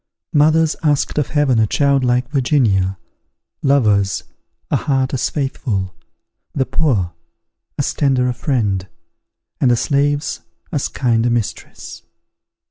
Mothers asked of heaven a child like Virginia; lovers, a heart as faithful; the poor, as tender a friend; and the slaves as kind a mistress.